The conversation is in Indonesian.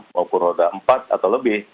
maupun roda empat atau lebih